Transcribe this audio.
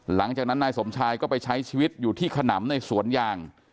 หลังจากนั้นนายสมชายก็ไปใช้ชีวิตอยู่ที่ขนำในสวนยาง